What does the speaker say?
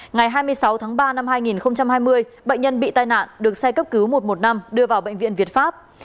ngày hai mươi sáu tháng ba năm hai nghìn hai mươi bệnh nhân bị tai nạn được xe cấp cứu một trăm một mươi năm đưa vào bệnh viện việt pháp